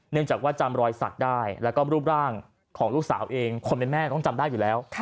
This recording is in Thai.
จากว่าจำรอยสักได้แล้วก็รูปร่างของลูกสาวเองคนเป็นแม่ต้องจำได้อยู่แล้ว